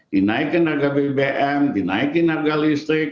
dinaikkan harga bbm dinaikkan harga listrik